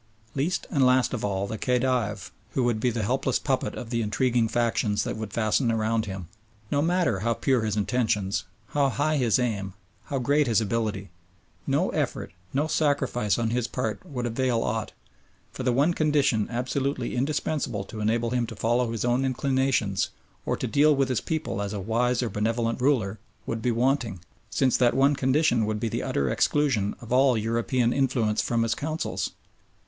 Least and last of all the Khedive, who would be the helpless puppet of the intriguing factions that would fasten around him. No matter how pure his intentions, how high his aim, how great his ability; no effort, no sacrifice on his part would avail aught, for the one condition absolutely indispensable to enable him to follow his own inclinations or to deal with his people as a wise or benevolent ruler, would be wanting, since that one condition would be the utter exclusion of all European influence from his councils.